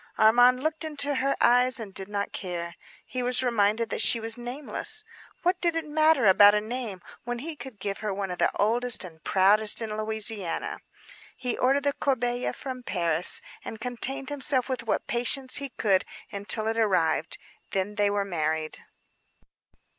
Armand looked into her eyes and did not care. He was reminded that she was nameless. What did it matter about a name when he could give her one of the oldest and proudest in Louisiana? He ordered the corbeille from Paris, and contained himself with what patience he could until it arrived; then they were married.